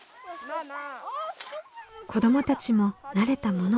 子どもたちも慣れたもの。